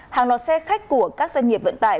hàng loạt xe khách của các doanh nghiệp vận tải